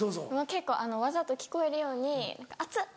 結構わざと聞こえるように「熱っ」。